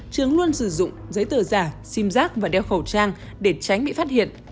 trường luôn sử dụng giấy tờ giả xiêm rác và đeo khẩu trang để tránh bị phát hiện